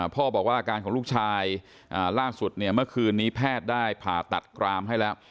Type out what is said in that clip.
พ่อบอกว่าอาการของลูกชายล่าสุดเนี่ยเมื่อคืนนี้แพทย์ได้ผ่าตัดกรามให้แล้ว